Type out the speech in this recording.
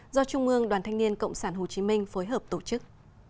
do trung ương đoàn thanh niên cộng sản hồ chí minh phối hợp tổ chức